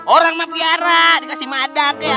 orang mah piara dikasih madat ya